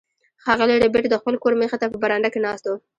ښاغلی ربیټ د خپل کور مخې ته په برنډه کې ناست و